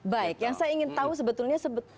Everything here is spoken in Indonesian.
baik yang saya ingin tahu sebetulnya